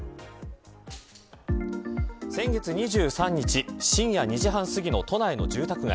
先月２３日深夜２時半すぎの都内の住宅街。